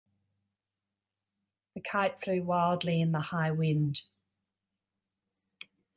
The kite flew wildly in the high wind.